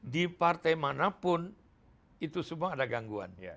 di partai manapun itu semua ada gangguan